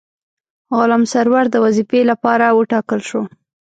غلام سرور د وظیفې لپاره وټاکل شو.